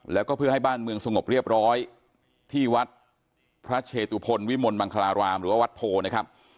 แล้วก็เพื่อให้บ้านเมืองสงบเรียบร้อยที่วัดพระเชตุพลวิมลมังคลารามหรือว่าวัดโพนะครับ